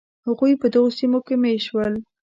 هغوی په دغو سیمو کې مېشت شول.